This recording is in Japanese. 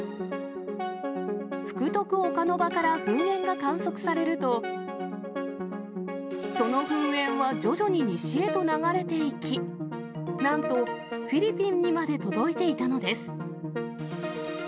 福徳岡ノ場から噴煙が観測されると、その噴煙は徐々に西へと流れていき、なんとフィリピンにまで届いていたのです。